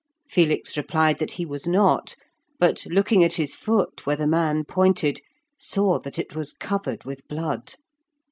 Felix replied that he was not, but looking at his foot where the man pointed, saw that it was covered with blood.